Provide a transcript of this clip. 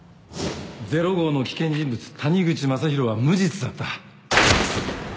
ゼロ号の危険人物谷口正博は無実だった